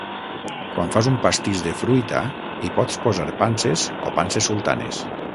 Quan fas un pastís de fruita hi pots posar panses o panses sultanes.